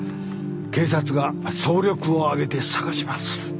警察が総力を挙げて捜します。